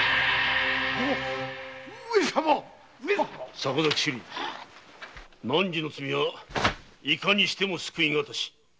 坂崎修理なんじの罪はいかにしても救い難し。